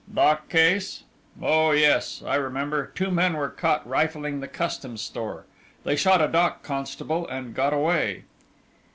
"Dock case? Oh yes, I remember; two men were caught rifling the Customs store; they shot a dock constable and got away."